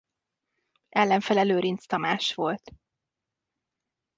Ellenfele Lőrincz Tamás volt.